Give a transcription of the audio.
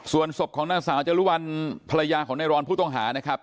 ส่วนศพของนางสาวจรุวัลภรรยาของในรอนผู้ต้องหานะครับ